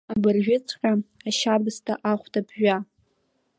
Абыржәыҵәҟьа ашьабысҭа ахәда ԥжәа!